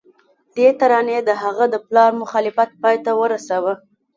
دې ترانې د هغه د پلار مخالفت پای ته ورساوه